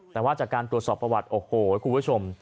แต่ว่าจากการตรวจสอบประวัติโอ้โหคุณผู้ชม